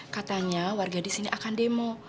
katanya warga di sini akan demo